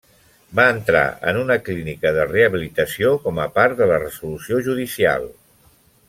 Va entrar en una clínica de rehabilitació com a part de la resolució judicial.